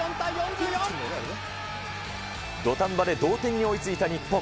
土壇場で同点に追いついた日本。